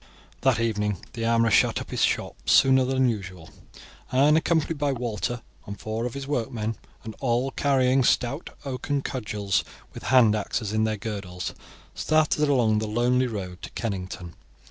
That evening the armourer shut up his shop sooner than usual, and accompanied by Walter and four of his workmen, and all carrying stout oaken cudgels, with hand axes in their girdles, started along the lonely road to Kennington.